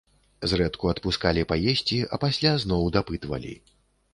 Зрэдку адпускалі паесці, а пасля зноў дапытвалі.